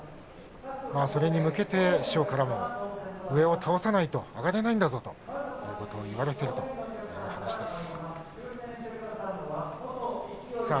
それに向けて師匠からも上を倒さないと上がれないんだぞというふうに言われているという話です。